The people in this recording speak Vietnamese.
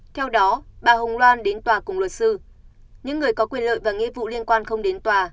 theo đó bà hồng loan đến tòa cùng luật sư những người có quyền lợi và nghĩa vụ liên quan không đến tòa